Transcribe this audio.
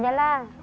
itu aja lah